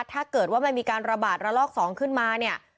ถ้าเกิดว่ามันมีการระบาดระลอก๒ขึ้นมาเนี่ย